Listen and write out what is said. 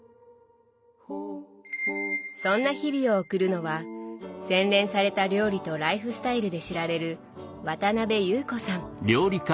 そんな日々を送るのは洗練された料理とライフスタイルで知られる渡辺有子さん。